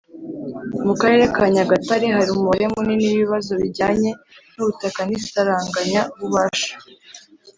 Mu Karere ka Nyagatare hari umubare munini w ibibazo bijyanye n ubutaka n isaranganya bubasha